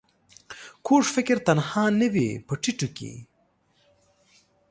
کوږ فکر تنها نه وي په ټيټو کې